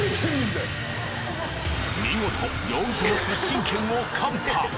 見事容疑者の出身県を看破！